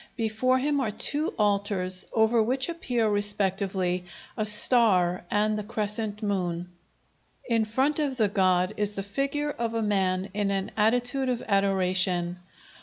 Before him are two altars, over which appear, respectively, a star and the crescent moon; in front of the god is the figure of a man in an attitude of adoration.